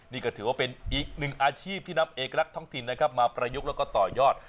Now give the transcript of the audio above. นี่ก็ถือว่าเป็นอีกหนึ่งอาชีพที่นำเอกลักษณ์ท้องถิ่นนะครับมาประยุกต์แล้วก็ต่อยอด